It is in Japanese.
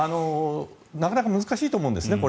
なかなか難しいと思うんですね。